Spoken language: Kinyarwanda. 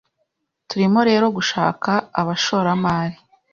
Turimo rero gushaka abashoramari